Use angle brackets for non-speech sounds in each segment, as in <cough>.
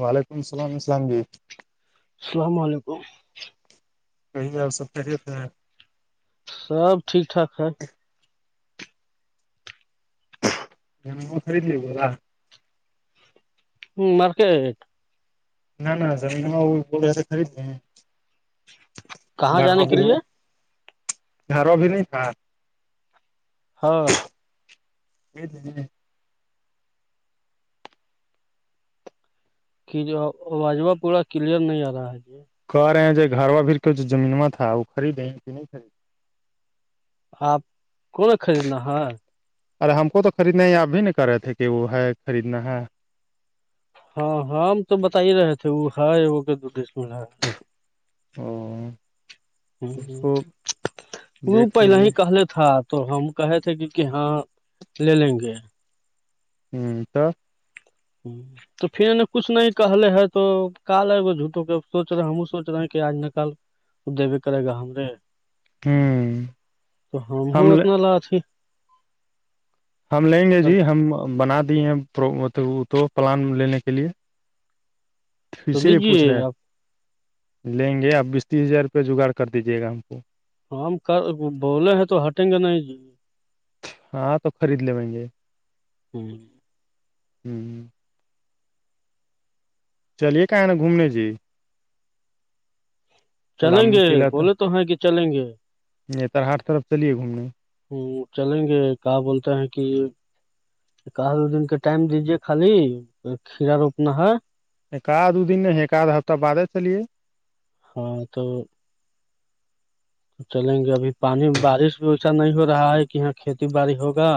وعلیکم السلام السلام جی السلام کہیں آپ سب پہے تھ ہیں سب ٹھیک ٹھاک ہے وہ تھریے بو رہا مارکیٹ نہ زمین وہ اے خرید کہاں گھر و جانے کے بھی لیے گھر و بھی نہیں تھا ہاں یہ کہ جو واجمہ پورا کلیئر نہیں آ رہا ہے جی کہ رہے ہیں جو گھروا بھیھر کے جو زمینواں تھا وہ خریدیں کہ نہیں خرید آپ کون خریدنا ہے ارے ہم کو تو خریدنا ہی آپ بھی نہیں کر رہے تھے کہ وہ ہے خریدنا ہے ہاں ہاں ہم تو بتا ہی رہے تھے وہ ہے وہ کے دو دیش میں ہے او <inaudible> ہ اس کو وہ دیکھ پہل لیجے ہی کہلے تھا تو ہم کہے تھے کہ کہ ہاں لے لیں گے ہوں تو ہوں تو پھر انیں کچھ نہیں کہلے ہے تو کال ہے وہ جھوٹوں کے سوچ رہے ہم سوچ رہے ہیں کہ آج نکال وہ د بھی کرے گا ہم رے ہوں تو ہم ہ اتنا لاچ ہی ہم لیں گے جی تو ہم بنا دی ہیں پرب تو پلان لینے کے لیے <inaudible> تو اسی لیے پوچھ لیجیے رہے آپ ہے لیں گے آپ بیس تیس ہزار روپیہ جگاڑ کر دیجیے گا ہم کو ہم ہم کر بولے ہیں تو ہٹیں گے نہیں ہاں تو خرید لے م گے ہ ہ چلیے کہاں نا گھومنے سے چلیں پلام گے بولے تو ہیں کہ چلیں گے ج تر ہاٹ طرف چلیے گھومنے ہ چلیں گے کہ بولتا ہے کہ <unintelligible> کہل دو دن کے ٹائم دیجے خالی کھیرا روپنا ہے ایک آد دو دن نہیں ہے ایک آدھا ہفتہ بد ہی چلیے ہاں تو چلیں گے ابھی پانی بارش بھی اسا نہیں ہو رہا ہے کہ یہاں کھیتی باڑی ہوگا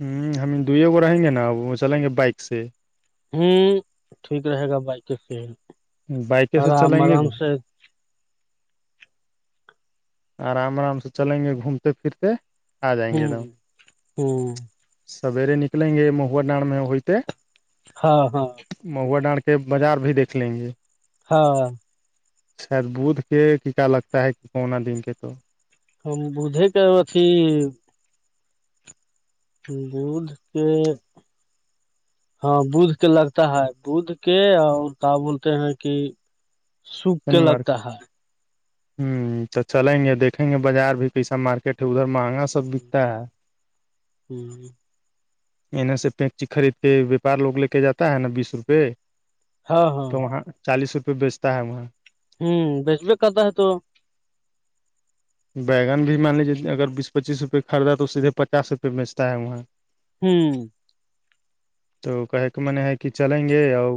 ہوں ہم دوگو رہیں گے نا وہ چلیں گے بائک سے ہوں ٹھیک رہے گا بائک کے سے بائکیں سے آرام چلیں گے آرام سے آرام آرام سے چلیں گے گھومتے پھرتے آ جائیں ہ گے د ہم ہ سویرے نکلیں گے مہوا ڈڑ میں ہوئیتے ہاں ہاں مہوا ڈانڑ کے بازار بھی دیکھ لیں گے ہاں شاید بھ کے کیا لگتا ہے کہ کونا دن کے تو ہم بجے کا اچھی دھ کے <unintelligible> ہاں بھ کے لگتا ہے بھ کے اور کیا بولتے ہیں کہ سوکھ کے شنیوار <unintelligible> لگتا ہے ہوں تو چلیں گے دیکیں گے بازار بھی کیسا مارکیٹ ہے ادھر مہنگا سبتا <unintelligible> انے سے پینچی خرید کے وپار لوگ لے کے جاتا ہے نا بیس روپے ہاں ہاں تو وہاں چالیس روپئے بیچتا ہے وہاں ہوں بیس بیکاتتاا آت تو <unintelligible> ب بیگن بھی مان لیجیے اگر بیس پچیس روپئے خدا تو سیدھے پچاس روپئے بیچتا ہے وہاں ہوں تو کہے کے من ہے کہ چلیں گے اور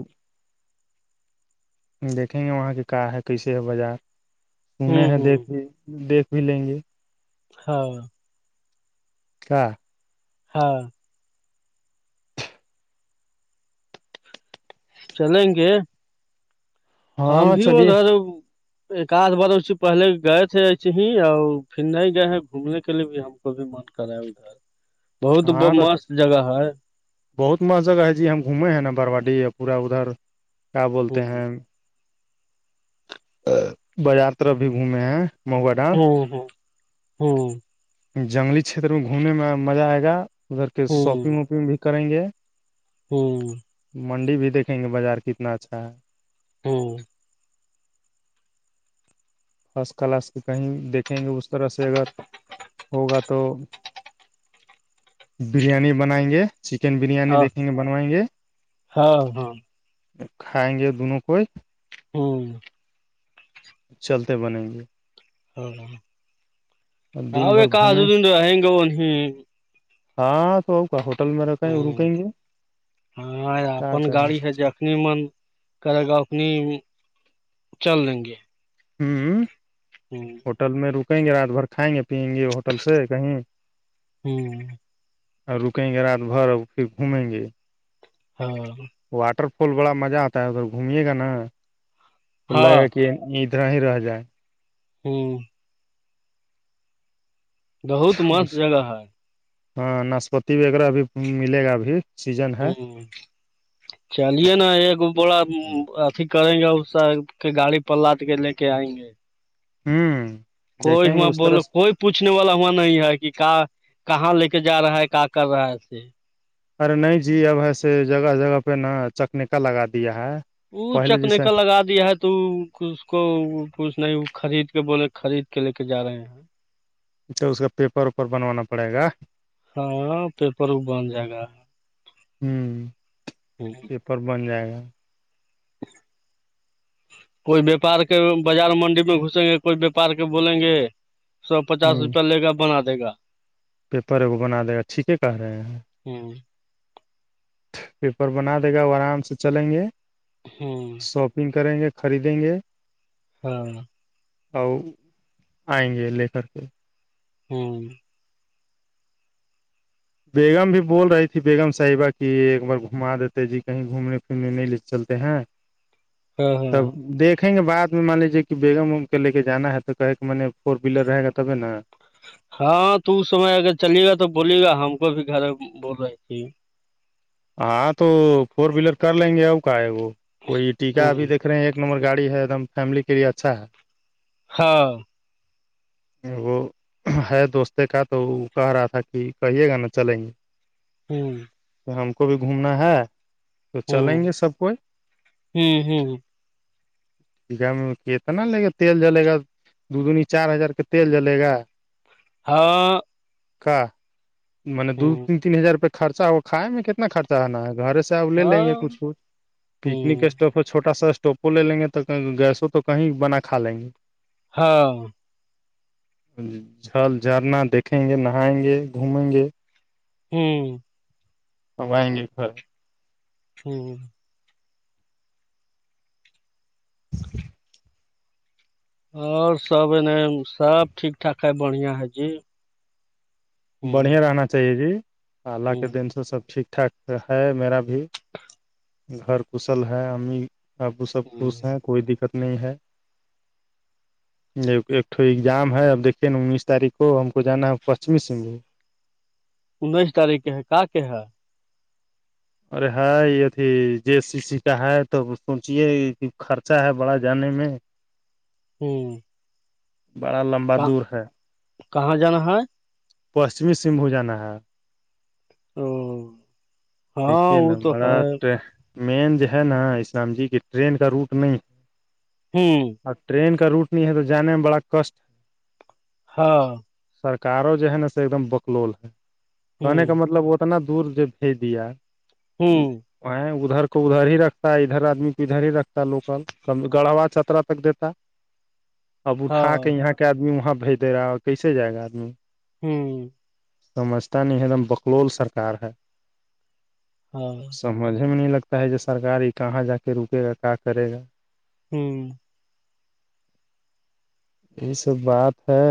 دیکھیں گے وہاں کے کیا ہے کیسے ہے بازار سنے ہوں ہیں ہوں دیکھ بھی دیکھ بھی لیں گے ہاں کیا ہاں چلیںن گے ہم ہاں بھی وہ چلیے ادھر <unintelligible> ایک آدھ بار اسے پہلے گئے تھے ایسے ہی اور پھر نہیں گئے ہیں گھومنے کے لیے بھی ہم کو بھی من کرا ادھر بہت ہاں تو مست جگہ ہے بہت مست جگہ ہے جی ہم گھومے ہیں نا برواڈییا پورا ادھر کیا ہ بولتے ہیں بازار طرف بھی گھومے ہیں مہوا ڈا ہوں ہوں ہوں جنگلی چھیتر میں گھومنے میں مزہ آئے گا ادھر کے ہ شاپنگ واپنگ بھی کریں گے ہوں منڈی بھی دیکیں گے بازار کتنا اچھا ہے ہوں فسٹ کلاس کے کہیں دیکھیں گے اس طرح سے اگر ہوگا تو بریانی بنائیں گے چکن بریانی ہاں دیکھیں گے بنوائیں گے ہاں ہاں کھائیں گے دونوں کوئی ہوں چلتے بنےیں گے اور ہ دن بھر ہیکا گھومیں دنا ہگ وہن ہ ہاں سو کا ہوٹل میں رکیں رکیں گے کیا کرنا اپنی من کرے گا اپنی چل لیں گے ہوں ہوں ہوٹل میں رکیں گے رات بھر کھائیں گے پیئیں گے ہوٹل سے کہیں ہوں اور رکیں گے رات بھر اور پھر گھومیں گے ہاں واٹر فال بڑا مزہ آتا ہے ادھر گھمیے گا نا ل ہاں کہ ادھر ہی رہ جائے ہوں بہت مست اس جگہ ہے ہاں ناشپتی وغیرہ بھیب ملے گا ابھی سیزن ہے ہوں چلیے نا ایک بوڑا اھی کریں گے اس کے گاڑی پلاد کے لے کے آئیں گے ہوں کوئی دیکھیں گے ہواں اس طرح بولو سے کوئی پوچھنے والا ہواں نہیں ہے کہ کا کہاں لے کے جا رہا ہے کہ کر رہا ہے سے ارے نہیں جی اب ایسے جگہ جگہ پہ نا چکنےیکا لگا دیا ہے ا پہلے چکنے جیسے کا لگا دیا تو اس کو کوچھ نہیں خرید کے بولے خرید کے لے کے جا رہے ہیں اچھا اس کا پیپر اپر بنوانا پڑے گا ہاں پیپر وہ بن جائے گا ہوں ہوں پیپر بن جائے گا <inaudible> کوئی وپار کے بازار منڈی میں گھسیں گے کوئی وپار کے بولیں گے سو پچاس ہوں روپیہ لے گا بنا دے گا پیپر اگو بنا دے گا اچھیھیک کہہ رہے ہیں ہوں پیپر بنا دے گا وہ آرام سے چلیں گے ہوں شاپنگ کریں گے خریدیں گے ہاں اور آئیں گے لے کر کے ہوں بیگم بھی بول رہی تھی بیگم صاحبہ کی ایک بار گھما دیتے جی کہیں گھومنے پھرنے نہیں لے چلتے ہیں <inaudible> تب ہاں دیکھ دکھیں گے بعد مان لیجیے کہ بیگم ام کے لے کے جانا ہے تو کہے کہ م نے فور ویلر رہ گا تبے ن ہاں تو اس سمے اگر چلیے گا تو بولیے گا ہم کو بھی گھر بول رہی تھی ہاں تو فور ویلر کر لیں گے ا کا ہے وہ وہی ٹیکا ہوں ابھی دیکھ ایک نمبر گاڑی ہے ایک دم فیملی کے لیے اچھا ہے ہاں وہ ہے دوستتے کا تو وہ کہہ رہا تھا کہ کہیے گا نا چلیں گے ہوں پ ہم کو بھی گھومنا ہے تو ہوں چلیں گے سب کوئی ہوں ہوں گ اتنا لے گا تیل جلے گا دو دنی چار ہزار کے تیل جلے گا ہاں کا منے دو ہوں تین تین ہزار پ خرچا ہو کھائے میں کتنا خرچہ رہنا ہے گھر سے آب لے لیں گے ہاں کچھ کچھ پکنک ہوں اسٹاپ ہے چھوٹا سا اسٹاپ وہ لے لیں گے تو گیسوں تو کہیں بنا کھا لیں گے ہاں جل جھرنا دیکھیں گے نہائیں گے گھومیں گے ہوں ویں گے خ <unintelligible> ہوں اور سب انے سب ٹھیک ٹھاک ہے بڑھیا ہے جی ہوں بڑھیا رہنا چاہیے جی اللہ ہوں کے دن سے سب ٹھیک ٹھاک ہے میرا بھی گھر کشل ہے امی ابپ وہ سب خوش ہ ہیں کوئی دقت نہیں ہے ایکٹ ایگزام ہے اب دیکے نا انیس تاریخ کو ہم کو جانا ہے پشچمی سگھو انیس تاریخ کے ہے کا کے ہے ارے ہاں یہ ا تھی جے سی سی کا ہے تو سوچیے خرچہ ہے بڑا جانے میں ہوں بڑا لمبا دور ہے کہاں جانا ہے پشچمی سمھو جانا ہے او ہاں دیکھیے وہ نا تو بڑا ہے مین جو ہے نا اسلام جی کی ٹرین کا روٹ نہیں ہوں اور ٹرین کا روٹ نہیں ہے تو جانے میں بڑا کشٹ ہاں سرکاروں جو ہے نا ایک دم بکلول ہے کہنے ہوں کا مطلب وہ تو اتنا دور جو بھیج دیا ہوں ادھر کو ادھر ہی رکھتا ہے ادھر آدمی کو ادھر ہی رکھتا ہے لوکل گڑھوا چترا تک دیتا ءں <inaudible> اب اٹھا کے یہاں کے آدمی وہاں بھیج دے رہا ہے اور کیسے جائے گا آدمی ہوں سمجھتا نہیں ہے دم بکلول سرکار ہے ہوں سمجھ میں نہیں لگتا ہے ج سرکار یہ کہاں جا کے رکے گا کہاں کرے گا ہوں یہ سب بات ہے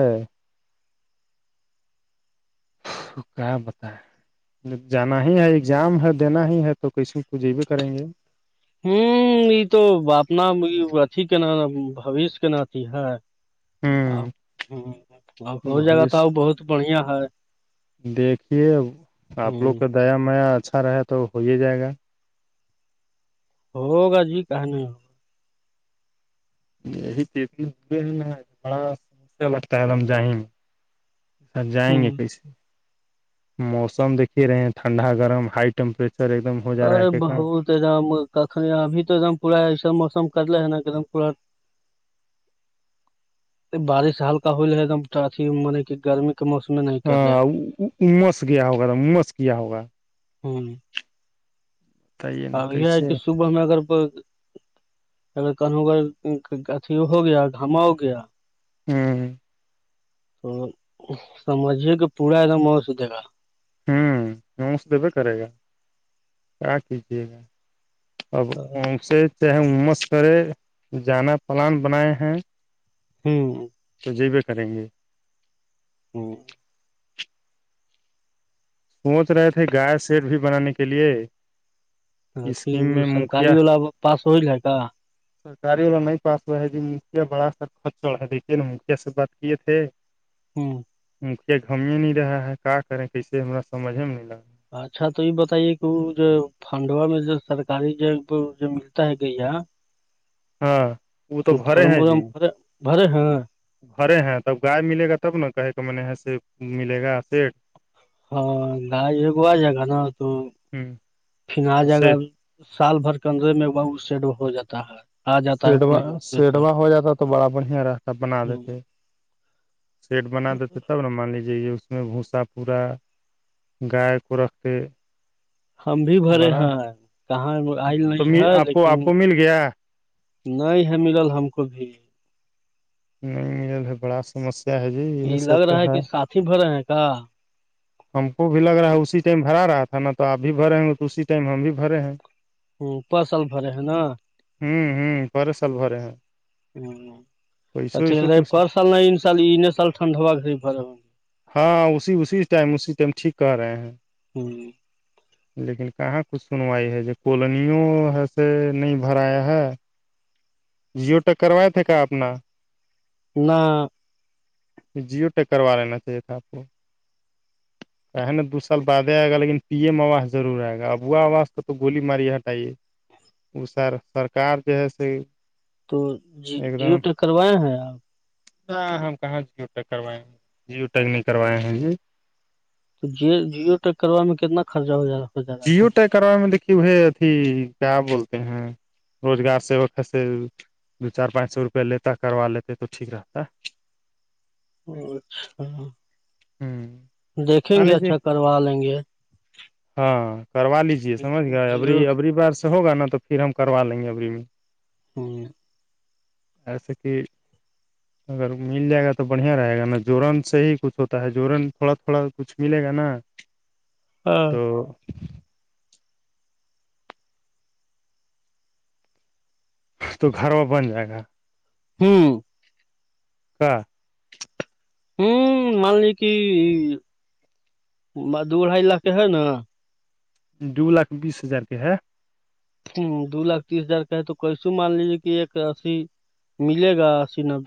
تھکا بتا ہے جانا ہی ہے اگزام ہے دینا ہی ہے تو کسم پجھے بھی کریں گے ہوں یہ تو اپنا اھی کہ ن بوش کے نتی ہے آ ہ ہو جگہ تو آ بوشیہ بہت بڑھیا ہے دیکھیے آپ لوگ ہ کا دیا میا اچھا رہے تو ہو ہی جائے گا ہو گا جی کہ نہیں ہو یہی چتنے دے ہے نا بڑا سسیا لگتا ہے دم جائیں سر جائیں گے ہ کیسے موسم دیکھے رہے ہیں ٹھنڈا گرم ہائی ٹیمپریچر ایک دم ہو جا رہا ارے ہے کتنا بہت ایک دم کن ابھی تو ایکم پورا ایسا موسم کدلے ہیں نا پورا بارش ہلکا ہول ایک دم ا م کی گرمی موسم میں نہیں ہاں مس گیا ہوگامس گیا ہوگا ہوں بتائیے نا اب یہ ہے کیسے کہ ہوں صبح میں اگر کو اگر کہوں گ اھی ہو گیا گھما ہو گیا ہوں تو سمجھیے کہ پورا ایکدم مو س دے گا ہوں نس دیبے کرے گا کیا کیجیے گا اب سے چےس کرے جانا پلان بنائے ہیں ہوں تو جی بھی کریں گے <unintelligible> سوچ رہے تھے گائے سیٹ بھی بنانے کے لیے اھی اسکیم وہ میں مکھیا سرکاری والا پاس ہوئل ہے کا سرکاری والا نہیں پاس ہوا ہے جی مکھیا بڑا سر ک چڑا ہے دیکھیے نا مکھیا سے بات کیے تھے ہوں مکھیا گھم نہیں رہا ہے کیا کریں کیسے ہما سمجھ میں نہیں لگ رہا اچھا تو یہ بتائیے کہ جو فھڈوا میں جو سرکاری ج جو ملتا ہے کہیا ہاں وہ تو بھرے ہیں جی بھرے ہیں تب گائے ملے گا تب نا کہے کہ م نے ملے گا سیٹ ہاں گجو آ جائے گا نا تو ہ پھر آ جائے گا سیٹ سال بھر کے اندرے میں وہ سیڈ ہو جاتا ہے آ جاتا ہے اپنا سیڈوا ہی اے سے سیڈوا ہو جاتا تو بڑا بڑھیا رہتا بنا دیتے سیٹ بنا دیتے تب نا مان لیجے یہ اس میں بھوسا پورا گائے کو رکھتے ہم بھی بھرے بڑا ہیں کہاں آئل تو نہیں ہے آپ کو لیکن آپ کو مل گیا نہیں ہے ملل ہم کو بھی نہیں میرےھر بڑا سمسیا ہے جی یہ سب لگ تو رہا ہے کہ ساتھی بھرے ہیں کا ہم کو بھی لگ رہا ہے اسی ٹائم بھرا رہا تھا نا تو آپ بھی بھرے ہیں تو اسی ٹائم ہم بھی بھرے ہیں پر سال بھرے ہیں نا ہوں ہوں پر سال بھرے ہیں ہ پیسو اھی ویسو رہ کچھ فر سال نہ سال ان سال ٹنڈ ہوا رہھر ہاں اسی اسی ٹائم اسی ٹائم ٹھیک کر رہے ہیں ہوں لیکن کہاں ک سنوائی ہے جو کالونیوں ہے سے نہیں بھرایا ہے جیو ٹیک کروائے تھے کا آ اپنا نہ جیو ٹیک کروا لینا چاہیے تھا آپ کو نا دو سال بعد ہی آئے گایکن پی ایم آواز ضرور آئے گا اب وہا آواز تو گولی ماری ہٹائیے ا سر سرکار جو ہے س تو جی جیو پل کروائے ہیں آپ ہاں ہم کہاں جیو یک کروائے ہیں جیو یک نہیں کروائے ہیں جی تو جیو جیو ٹیک کروا میں کتنا خرچہ ہو جا گا جیو ٹائیک کروے میں دیکھیے وہ اھی کیا بولتے ہیں روزگار سے وہ پھر سے دو چار پانچ سو روپیہ لیتا کروا لیتے تو ٹیک رہتا اچھا ہ دیکھیں مان گے لیجیے اچھا کروا لیں گے ہاں کروا لیجیے سمجھ گئے ابری جیو ابری بار سے ہوگا نا تو پھر ہم کروا لیں گے ابری میں ہوں ایسے کہ <unintelligible> اگر مل جائے گا تو بڑھیا رہے گا نا جوورن سے ہی کچھ ہوتا ہے جوورن تھوڑا تھوڑا کچھ ملے گا نا ہاں تو تو گھر وہ بن جائے گا ہوں کہ ہوں مان لی کہ مدڑھا علاقے ہے نا دو لاکھ بیس ہزار کے ہے ہ دو لاکھ تیس ہزار کہے تو کئی سو مان لیجیے کہ ایک اسیی ملے گا س نب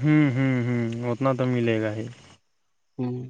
ہوں ہوں ہوں اتنا تو ملے گا ہی ہوں